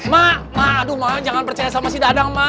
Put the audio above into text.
ma aduh ma jangan percaya sama si dadang ma